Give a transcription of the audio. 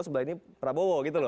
sebelah ini prabowo gitu loh